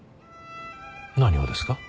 何をですか？